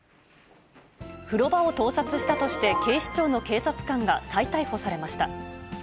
風呂場を盗撮したとして、警視庁の警察官が再逮捕されました。